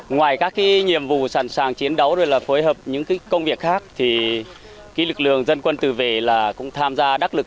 ngoài các nhiệm vụ sẵn sàng chiến đấu và phối hợp những công việc khác lực lượng dân quân tự vệ cũng tham gia đắc lực